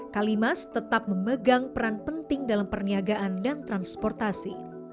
kalimas tetap memegang peran penting dalam perniagaan dan transportasi